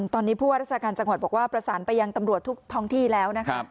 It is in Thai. ตอนนี้ผู้ว่าราชการจังหวัดบอกว่าประสานไปยังตำรวจทุกท้องที่แล้วนะครับ